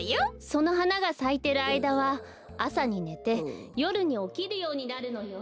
そのはながさいてるあいだはあさにねてよるにおきるようになるのよ。